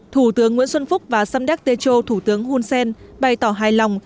thủ tướng nguyễn xuân phúc và samdek techo thủ tướng hun sen bày tỏ hài lòng